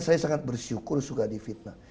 saya sangat bersyukur suka di fitnah